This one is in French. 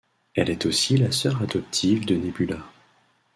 Elle est aussi la sœur adoptive de Nébula.